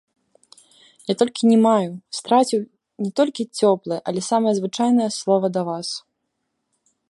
Я толькі не маю, страціў не толькі цёплае, але самае звычайнае слова да вас.